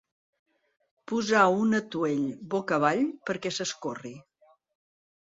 Posar un atuell boca avall perquè s'escorri.